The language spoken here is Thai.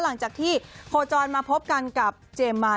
หลังจากที่โคจรมาพบกันกับเจมส์มา